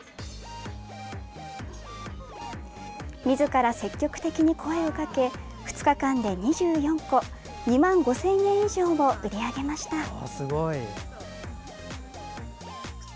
みずから積極的に声をかけ２日間で２４個２万５０００円以上を売り上げました。